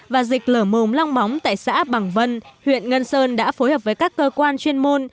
và dịch lở mồm long bóng tại xã bằng vân huyện ngân sơn đã phối hợp với các cơ quan chuyên môn